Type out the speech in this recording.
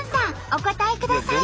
お答えください。